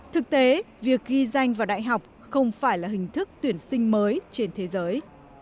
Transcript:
thực tế việc ghi danh vào đại học không phải là hình thức tuyển sinh mới trên thế giới